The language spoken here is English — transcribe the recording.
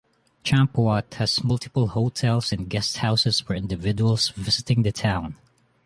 Champawat has multiple hotels and guesthouses for individuals visiting the town.